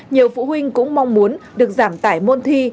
nhiều phụ huynh cũng mong muốn được giảm tải môn thi